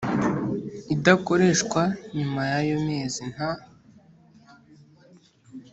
idakoreshwa nyuma y ayo mezi nta